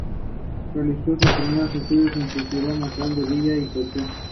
Durante su estancia en este último país colaboró con varias publicaciones anarquistas, como "Acción".